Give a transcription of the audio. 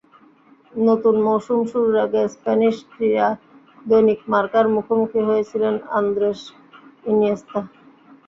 নতুন মৌসুম শুরুর আগে স্প্যানিশ ক্রীড়া দৈনিক মার্কার মুখোমুখি হয়েছিলেন আন্দ্রেস ইনিয়েস্তা।